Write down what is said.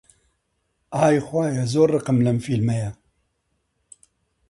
ئای خوایە، زۆر ڕقم لەم فیلمەیە!